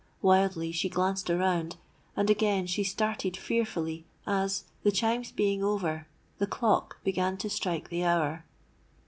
Wildly she glanced around—and again she started fearfully as, the chimes being over, the clock began to strike the hour.